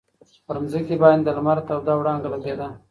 پر مځکي باندي د لمر توده وړانګه لګېده.